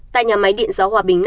tại nhà máy điện giáo hòa bình năm